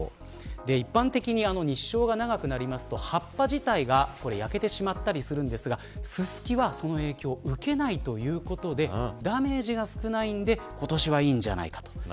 一般的に日照が長くなりますと葉っぱ自体が焼けてしまったりするんですがススキはその影響を受けないということでダメージが少ないんで今年はいいんじゃないかと。